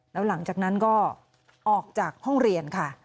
แล้วหลังจากนั้นก็ออกจากห้องเรียนค่ะ